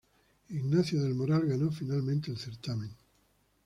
Ignacio del Moral ganó finalmente el certamen.